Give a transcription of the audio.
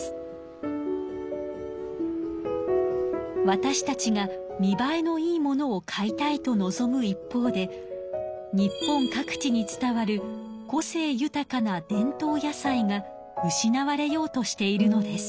わたしたちが見ばえのいいものを買いたいと望む一方で日本各地に伝わる個性豊かな伝統野菜が失われようとしているのです。